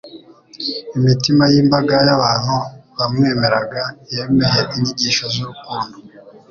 Imitima y’imbaga y’abantu bamwemeraga yemeye inyigisho z’urukundo